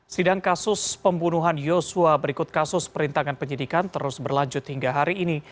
sidang kasus pembunuhan yosua berikut kasus perintangan penyidikan terus berlanjut hingga hari ini